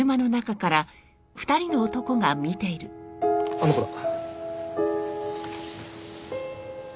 あの子だ。